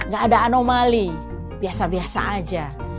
gak ada anomali biasa biasa aja